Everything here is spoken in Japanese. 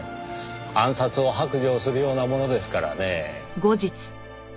暗殺を白状するようなものですからねぇ。